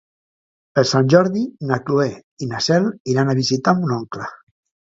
Per Sant Jordi na Cloè i na Cel iran a visitar mon oncle.